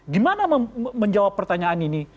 gimana menjawab pertanyaan ini